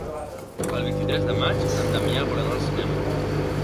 El vint-i-tres de maig en Damià vol anar al cinema.